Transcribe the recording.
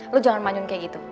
lo jangan manyun kayak gitu